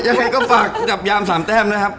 ยังไงก็ฝากจับยาม๓แต้มนะครับ